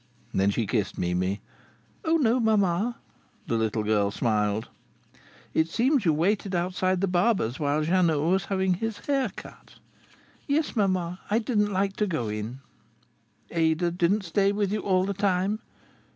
Then she kissed Mimi. "Oh no, mamma!" The little girl smiled. "It seems you waited outside the barber's while Jeannot was having his hair cut." "Yes, mamma. I didn't like to go in." "Ada didn't stay with you all the time?"